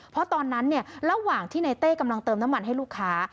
เพราะตอนนั้นเนี่ยระหว่างที่ในเต้กำลังเติมน้ำมันให้ลูกค้า